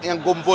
ini yang kumpul